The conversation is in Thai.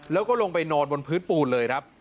แล้วก็ลงไปนอนบนพื้นปูนเลยครับ